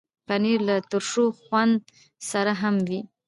پنېر له ترشو خوند سره هم وي.